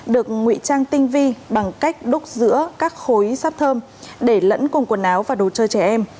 được ngụy trang tinh vi bằng cách đúc giữa các khối sp thơm để lẫn cùng quần áo và đồ chơi trẻ em